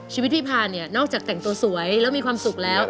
ชีวิตพี่พาเนี่ยนอกจากแต่งตัวสวยแล้วมีความสุขแล้ว